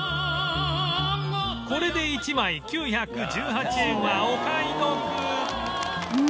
これで１枚９１８円はお買い得